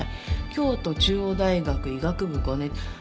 「京都中央大学医学部五年」